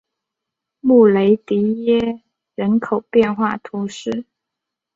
穆雷迪耶人口变化图示